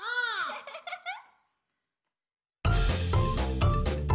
ウフフフフ。